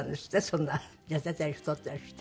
そんな痩せたり太ったりして。